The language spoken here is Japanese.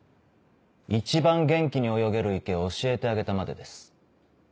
一番元気に泳げる池を教えてあげたまでです。